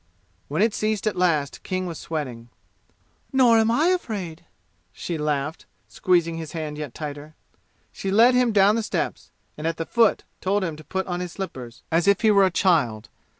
When it ceased at last King was sweating. "Nor am I afraid," she laughed, squeezing his hand yet tighter. She led him down the steps, and at the foot told him to put on his slippers, as if he were a child.